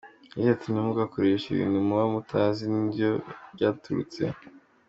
Yagize ati “Ntimugakoreshe ibintu muba mutazi n’iyo byaturutse.